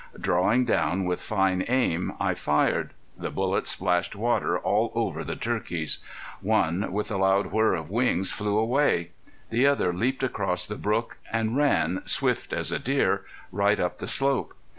Drawing down with fine aim I fired. The bullet splashed water all over the turkeys. One with loud whirr of wings flew away. The other leaped across the brook and ran swift as a deer right up the slope.